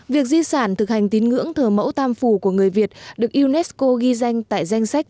việc di sản thực hành tín ngưỡng thờ mẫu tam phủ của người việt được unesco ghi danh tại danh sách